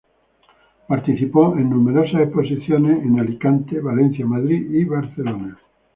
Participó en numerosas exposiciones en en Alicante, Valencia, Madrid y Barcelona.